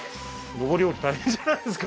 上り下り大変じゃないですか？